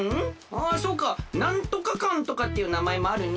あそうかなんとか館とかっていうなまえもあるね。